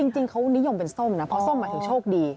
จริงเขานิยมเป็นส้มนะเพราะส้มหมายถึงโชคดี